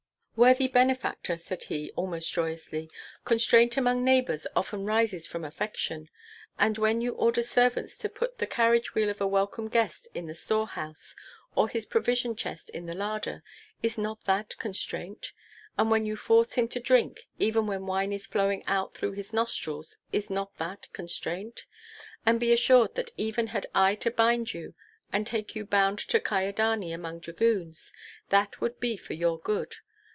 "Worthy benefactor," said he, almost joyously, "constraint among neighbors often rises from affection. And when you order servants to put the carriage wheel of a welcome guest in the storehouse, or his provision chest in the larder, is not that constraint? And when you force him to drink, even when wine is flowing out through his nostrils, is not that constraint? And be assured that even had I to bind you and take you bound to Kyedani among dragoons, that would be for your good.